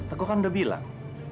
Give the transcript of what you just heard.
aku kan udah bilang